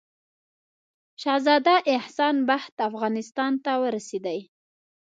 شهزاده احسان بخت افغانستان ته ورسېدی.